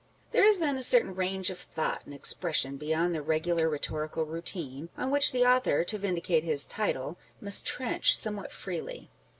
There is then a certain range of thought and expres sion beyond the regular rhetorical routine, on which the author, to vindicate his title, must trench somewhat freely.